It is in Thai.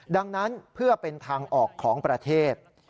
ดังนั้นเพื่อเป็นทางออกของประเทศ